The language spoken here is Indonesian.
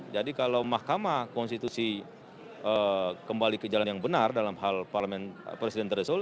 jadi kalau mahkamah konstitusi kembali ke jalan yang benar dalam hal presiden tersebut